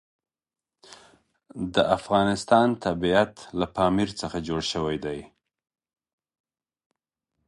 د افغانستان طبیعت له پامیر څخه جوړ شوی دی.